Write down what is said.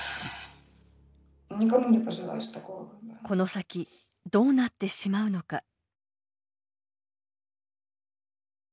この先どうなってしまうのか。